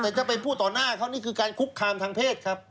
แต่ถ้าไปพูดต่อหน้าเขานี่คือการคุกคามทางเพศครับ